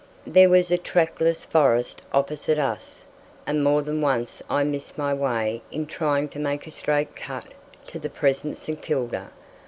There was a trackless forest opposite us, and more than once I missed my way in trying to make a straight cut to the present St. Kilda.